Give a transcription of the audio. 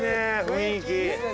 雰囲気。